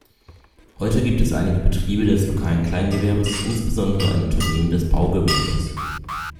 Heute gibt es einige Betriebe des lokalen Kleingewerbes, insbesondere ein Unternehmen des Baugewerbes.